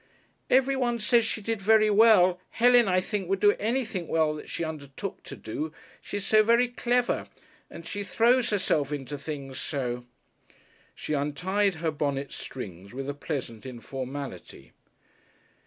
"Everyone says she did very well. Helen, I think, would do anything well that she undertook to do. She's so very clever. And she throws herself into things so." She untied her bonnet strings with a pleasant informality.